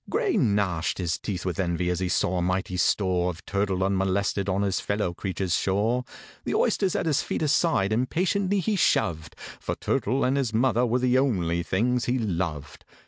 GRAY gnashed his teeth with envy as he saw a mighty store Of turtle unmolested on his fellow creature's shore. The oysters at his feet aside impatiently he shoved, For turtle and his mother were the only things he loved.